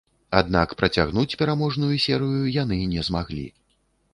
Аднак працягнуць пераможную серыю яны не змаглі.